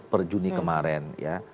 per juni kemarin